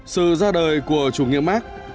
sự ra đời của chủ nghĩa mark